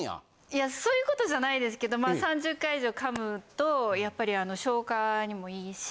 いやそういう事じゃないですけど３０回以上噛むとやっぱり消化にもいいし。